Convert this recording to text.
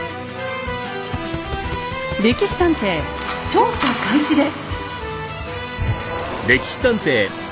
「歴史探偵」調査開始です。